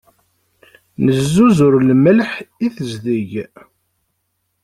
Nezzuzur lmelḥ i tezdeg.